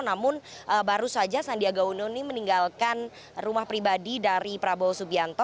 namun baru saja sandiaga uno ini meninggalkan rumah pribadi dari prabowo subianto